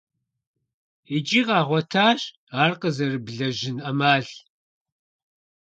ИкӀи къагъуэтащ ар къызэрыблэжьын Ӏэмал.